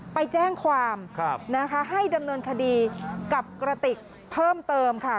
ไปแจ้งความนะคะให้ดำเนินคดีกับกระติกเพิ่มเติมค่ะ